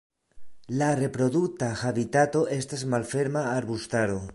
La reprodukta habitato estas malferma arbustaro.